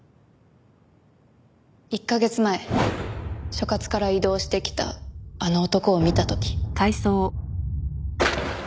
１カ月前所轄から異動してきたあの男を見た時。